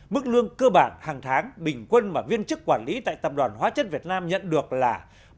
mức lương cơ bản hàng tháng bình quân mà viên chức quản lý tại tập đoàn hóa chất việt nam nhận được là